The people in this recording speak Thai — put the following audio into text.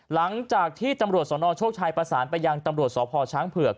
หลังจากที่ตำรวจสนโชคชัยประสานไปยังตำรวจสพช้างเผือก